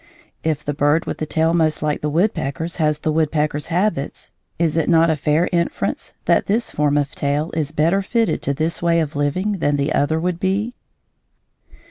If the bird with the tail most like the woodpecker's has the woodpecker's habits, is it not a fair inference that this form of tail is better fitted to this way of living than the other would be?